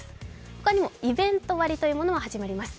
他にもイベント割というものも始まります。